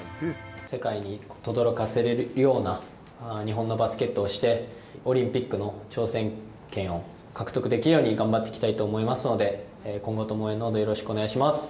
世界にとどろかせれるような日本のバスケットをして、オリンピックの挑戦権を獲得できるように、頑張ってきたいと思いますので、今後とも応援どうぞよろしくお願いします。